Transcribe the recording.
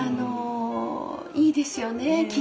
いいですよね。